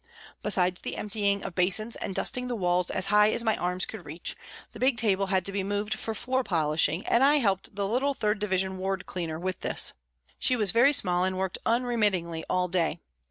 Besides the emptying of basins and dusting the walls as high as my arms could reach, the big table had to be moved for floor polishing, and I helped the little 3rd Division ward cleaner with this. She was very small and worked unremittingly all day.